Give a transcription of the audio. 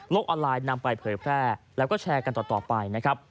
ออนไลน์นำไปเผยแพร่แล้วก็แชร์กันต่อไปนะครับ